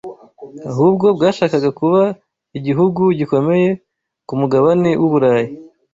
ahubwo bwashakaga kuba igihugu gikomeye ku mugabane w’u Burayi